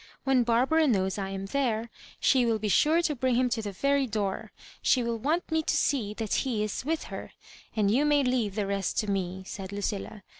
When Barbara knows I am there, she will be sure to bring him to the very door; she will want me to see that ho is with her ; and you may leave the rest to me," said Lucilla.